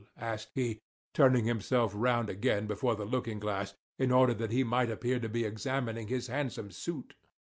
asked he, turning himself round again before the looking glass, in order that he might appear to be examining his handsome suit.